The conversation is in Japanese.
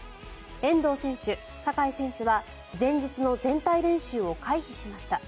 遠藤選手、酒井選手は前日の全体練習を回避しました。